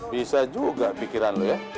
bisa juga pikiran lo ya